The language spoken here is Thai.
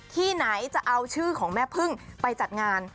ที่ไหนจะเอาชื่อของแม่พึ่งไปจัดงาน